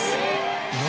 何？